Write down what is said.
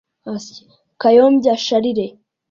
Kayombya Charles